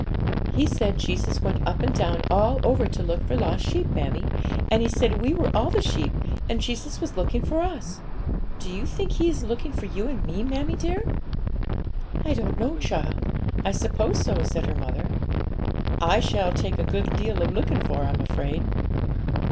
'He said Jesus went up and down all over to look for lost sheep, mammie; and he said we were all the sheep, and Jesus was looking for us. Do you think He is looking for you and me, mammie dear?' 'I don't know, child; I suppose so,' said her mother. 'I shall take a good deal of looking for, I'm afraid.'